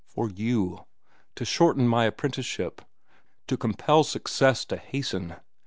For you. To shorten my apprenticeship. To compel Success to hasten.